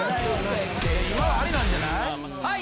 今はアリなんじゃない？